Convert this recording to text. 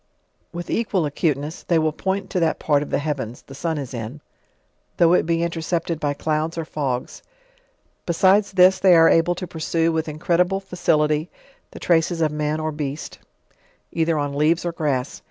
With equal acuteness they will point to that part of the heavens, the sun is in, though it be intercepted by clouds or fogs; besides this they are able to pursue with incredible fa cility the traces of man or beast, either on leaves or grass.